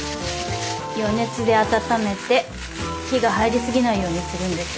余熱で温めて火が入りすぎないようにするんです。